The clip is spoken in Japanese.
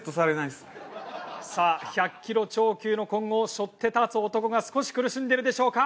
さぁ１００ｋｇ超級の今後を背負って少し苦しんでいるでしょうか。